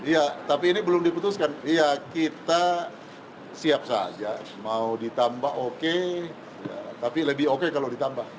iya tapi ini belum diputuskan ya kita siap saja mau ditambah oke tapi lebih oke kalau ditambah